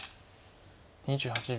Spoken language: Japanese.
２８秒。